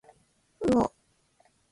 うお